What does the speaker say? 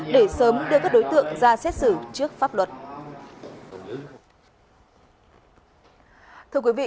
để sớm đưa các đối tượng ra xét xử trước pháp luật